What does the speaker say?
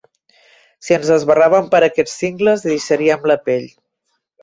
Si ens esbarràvem per aquests cingles, hi deixaríem la pell.